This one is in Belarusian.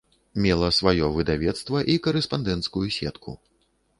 Мела сваё выдавецтва і карэспандэнцкую сетку.